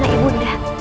tapi ibu nda